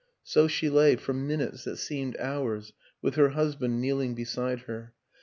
So she lay, for minutes that seemed hours, with her hus band kneeling beside her. .